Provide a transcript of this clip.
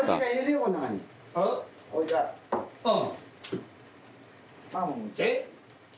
うん。